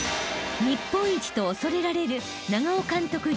［日本一と恐れられる長尾監督